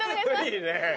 いいね。